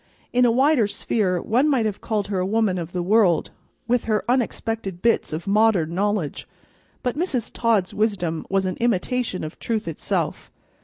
In a wider sphere one might have called her a woman of the world, with her unexpected bits of modern knowledge, but Mrs. Todd's wisdom was an intimation of truth itself.